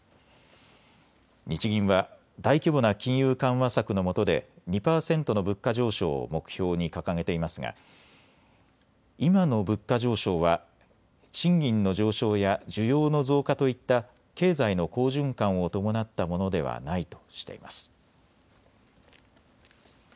日銀は大規模な金融緩和策のもとで２％の物価上昇を目標に掲げていますが今の物価上昇は賃金の上昇や需要の増加といった経済の好循環を伴ったものではないとしています。